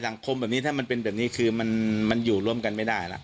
สังคมแบบนี้ถ้ามันเป็นแบบนี้คือมันอยู่ร่วมกันไม่ได้ล่ะ